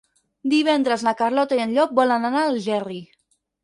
Divendres na Carlota i en Llop volen anar a Algerri.